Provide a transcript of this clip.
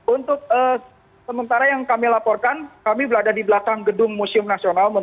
untuk sementara yang kami laporkan kami berada di belakang gedung museum nasional